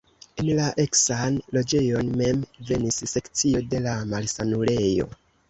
En la eksan loĝejon mem venis sekcio de la malsanulejo.